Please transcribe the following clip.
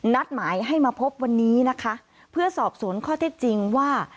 นัดหมายให้มาพบวันนี้นะคะเพื่อสอบสวนข้อเท็จจริงว่า